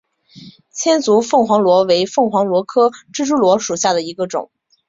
千足凤凰螺为凤凰螺科蜘蛛螺属下的一个种。